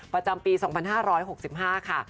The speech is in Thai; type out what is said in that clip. ประจำปี๒๕๖๕ค่ะ